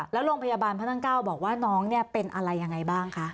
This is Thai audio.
แล้วโรงพยาบาลพระนั่ง๙บอกว่าน้องเป็นอะไรยังไงบ้างคะ